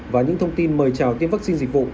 và những thông tin mời chào tiêm vaccine dịch vụ